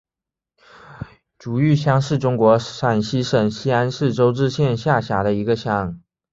竹峪乡是中国陕西省西安市周至县下辖的一个乡。